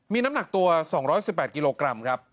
มีน้ำหนักตัว๒๑๘กิโลกรัมครับ